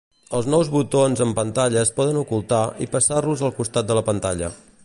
Els nous botons en pantalla es poden ocultar i passar-los al costat de la pantalla.